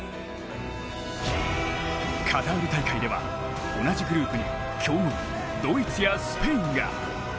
カタール大会では、同じグループに強豪ドイツやスペインが。